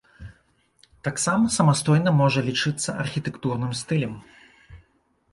Таксама самастойна можа лічыцца архітэктурным стылем.